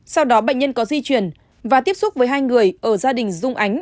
sau đó bệnh nhân có di chuyển và tiếp xúc với hai người ở gia đình dung ánh